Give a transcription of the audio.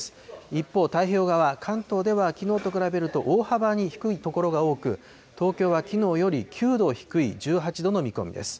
一方、太平洋側、関東ではきのうと比べると大幅に低い所が多く、東京はきのうより９度低い１８度です。